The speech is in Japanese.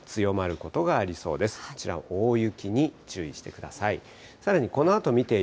こちら、大雪に注意してください。